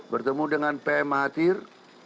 bertemu dengan pm mahathir